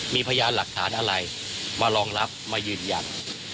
มีพยานหลักฐานอะไรมารองรับมายืนยัน